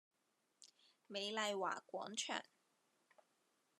美麗華廣場